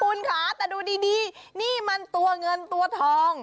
คุณค่ะแต่ดูดีนี่มันตัวเงินตัวทอง